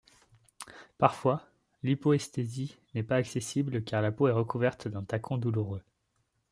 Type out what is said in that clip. Parfois, l’hypoesthésie n’est pas accessible, car la peau est recouverte d’un tacon douloureux.